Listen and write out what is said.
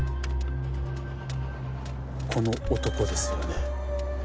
この男ですよね？